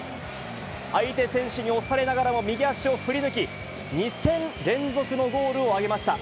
相手選手に押されながらも右足を振り抜き、２戦連続のゴールを挙げました。